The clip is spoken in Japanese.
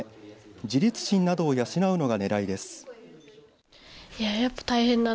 自立心などを養うのが狙いです。